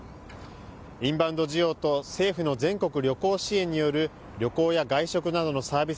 インバウンド需要と政府の全国旅行支援による旅行や外食などのサービス